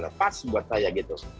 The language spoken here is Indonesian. jadi pas buat saya gitu